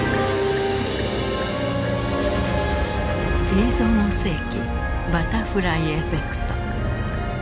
「映像の世紀バタフライエフェクト」。